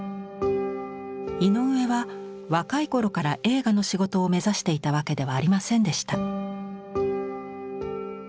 井上は若い頃から映画の仕事を目指していたわけではありませんでした。